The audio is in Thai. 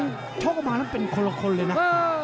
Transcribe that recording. ก็คงทุกโอกอกออกมาแล้วเป็นคนลับคนเลยนะ